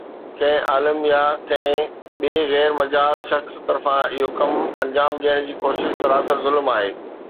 ڪنهن عالم يا ڪنهن ٻئي غير مجاز شخص طرفان اهو ڪم انجام ڏيڻ جي ڪوشش سراسر ظلم آهي.